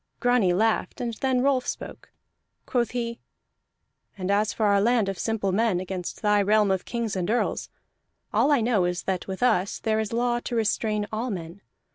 Grani laughed, and then Rolf spoke. Quoth he: "And as for our land of simple men against thy realm of kings and earls, all I know is that with us there is law to restrain all men.